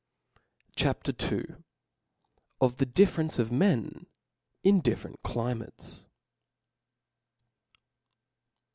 CHAP. IL Of the Difference of Men in different CKmates.